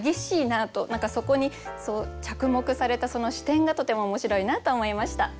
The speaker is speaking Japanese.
何かそこに着目されたその視点がとても面白いなと思いました。